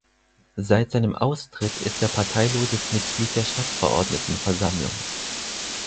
Seit seinem Austritt ist er parteiloses Mitglied in der Stadtverordnetenversammlung.